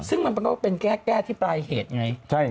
ซึ่งมันก็เป็นแก้ที่ปลายเหตุไง